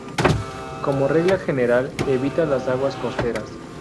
Como regla general evita las aguas costeras.